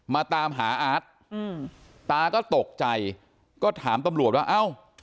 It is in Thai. มาตามหาอาร์ตอืมตาก็ตกใจก็ถามตำรวจว่าเอ้า